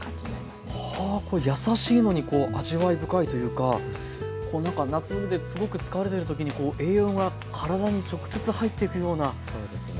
これやさしいのにこう味わい深いというかなんか夏ですごく疲れてる時に栄養が体に直接入っていくようなそうですね。